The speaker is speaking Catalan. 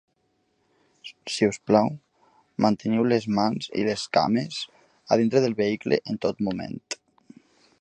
Si us plau, manteniu les mans i les cames a dintre del vehicle en tot moment.